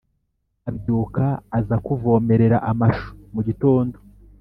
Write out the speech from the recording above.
Abyuka aza kuvomerera amashu mugitondo